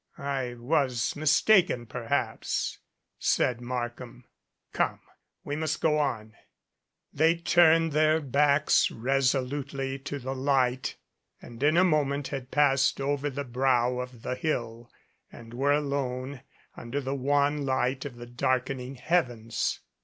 I was mistaken, perhaps," said Markham. "Come, we must go on." They turned their backs resolutely to the light and in a moment had passed over the brow of the hill and were alone under the wan light of the darkening heavens.